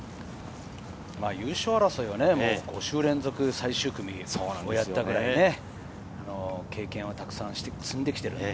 優勝争いは５週連続最終組をやったくらい、経験はたくさん積んできているので。